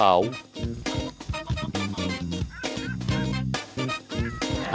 เอาละครับ